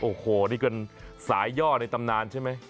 โอ้โหนี่เป็นสายย่อในตำนานใช่ไหม